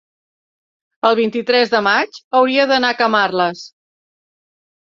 el vint-i-tres de maig hauria d'anar a Camarles.